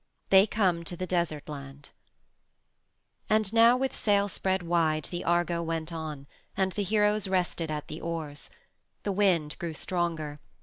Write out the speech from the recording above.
THEY COME TO THE DESERT LAND And now with sail spread wide the Argo went on, and the heroes rested at the oars. The wind grew stronger.